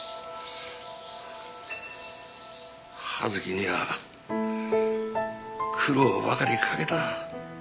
葉月には苦労ばかりかけた。